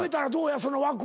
その枠は。